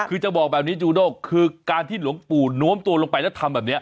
คือจะบอกแบบนี้จูโด่คือการที่หลวงปู่น้วมตัวลงไปแล้วทำแบบนี้